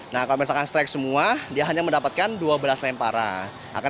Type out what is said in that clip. nah kalau misalkan strike semua dia hanya mendapatkan dua belas lemparan